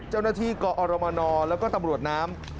เจ้าหน้าที่กัวรมนแล้วก็ตำรวจน้ำ